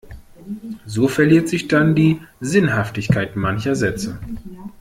So verliert sich dann die Sinnhaftigkeit mancher Sätze.